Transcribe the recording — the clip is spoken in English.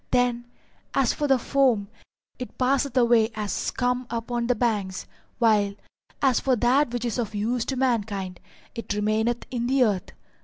Then, as for the foam, it passeth away as scum upon the banks, while, as for that which is of use to mankind, it remaineth in the earth.